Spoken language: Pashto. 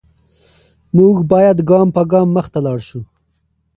موږ باید ګام په ګام مخته لاړ شو.